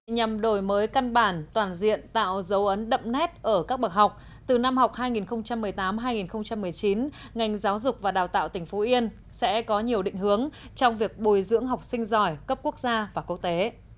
nhằm đổi mới căn bản toàn diện tạo dấu ấn đậm nét ở các bậc học từ năm học hai nghìn một mươi tám hai nghìn một mươi chín ngành giáo dục và đào tạo tỉnh phú yên sẽ có nhiều định hướng trong việc bồi dưỡng học sinh giỏi cấp quốc gia và quốc tế